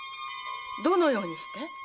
どのようにして？